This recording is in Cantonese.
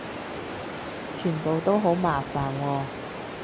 全部都好麻煩喎